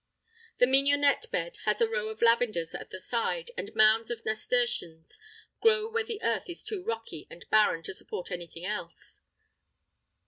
The mignonette bed has a row of lavenders at the side, and mounds of nasturtiums grow where the earth is too rocky and barren to support anything else.